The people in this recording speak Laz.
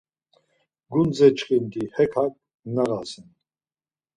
Gundze çxindi hek hak nağasen.